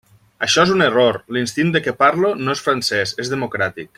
Això és un error: l'instint de què parlo no és francès, és democràtic.